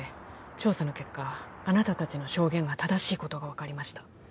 調査の結果あなた達の証言が正しいことが分かりました